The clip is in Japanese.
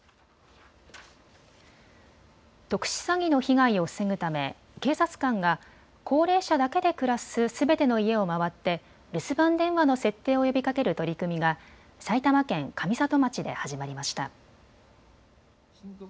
特殊詐欺の被害を防ぐため警察官が高齢者だけで暮らすすべての家を回って留守番電話の設定を呼びかける取り組みが埼玉県上里町で始まりました。